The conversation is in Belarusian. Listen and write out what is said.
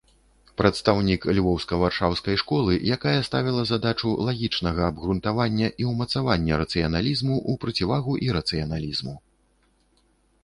Прадстаўнік львоўска-варшаўскай школы, якая ставіла задачу лагічнага абгрунтавання і ўмацавання рацыяналізму ў процівагу ірацыяналізму.